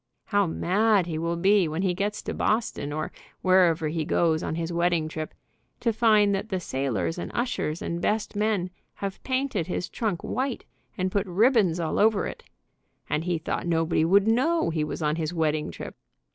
How mad he will be when he gets to Boston, or wherever he goes on his wedding trip, to find that the sailors and ushers and best men have painted his trunk white, and put ribbons all over it, and he thought nobody would know he was on his wedding trip.